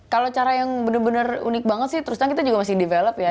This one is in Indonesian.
kalau cara yang benar benar unik banget sih terus terang kita juga masih develop ya